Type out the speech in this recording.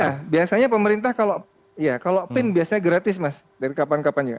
iya biasanya pemerintah kalau pin biasanya gratis mas dari kapan kapan juga